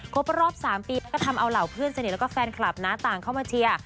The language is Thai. ครบรอบ๓ปีก็ทำเอาเหล่าเพื่อนสนิทแล้วก็แฟนคลับนะต่างเข้ามาเชียร์